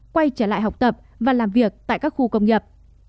quay trở lại học tập và làm việc tại các khu công nghiệp